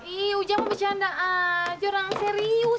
ihh ujang mau bercanda aja orang serius